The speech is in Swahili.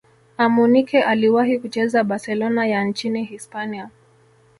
amunike aliwahi kucheza barcelona ya nchini hispania